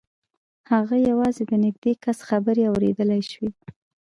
هغه یوازې د نږدې کس خبرې اورېدلای شوې